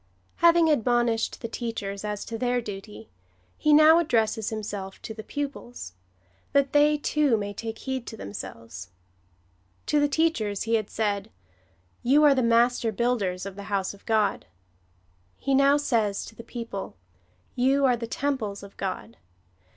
Having admonished tlie teachers as to their duty, he now addresses himself to the pupils — that they, too, may take heed to themselves. To the teachers he had said, " You are the master builders of the house of God." He now says to the people, " You are the temples of God.